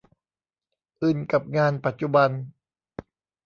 อึนกับงานปัจจุบัน